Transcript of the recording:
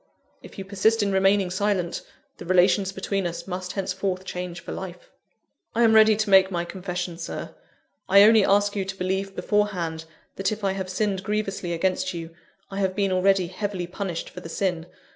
If you persist in remaining silent, the relations between us must henceforth change for life." "I am ready to make my confession, Sir. I only ask you to believe beforehand, that if I have sinned grievously against you, I have been already heavily punished for the sin.